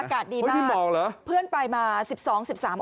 อากาศดีมากเพื่อนไปมา๑๒๑๓องศา